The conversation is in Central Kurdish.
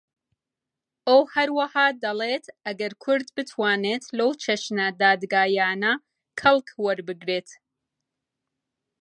ئەو هەروەها دەڵێت ئەگەر کورد بتوانێت لەو چەشنە دادگایانە کەڵک وەربگرێت